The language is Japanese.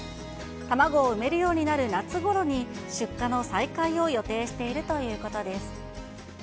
卵を産めるようになる夏ごろに、出荷の再開を予定しているということです。